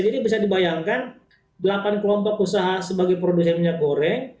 jadi bisa dibayangkan delapan kelompok usaha sebagai produser minyak goreng